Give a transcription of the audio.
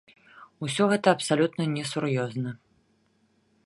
Усё гэта абсалютна несур'ёзна.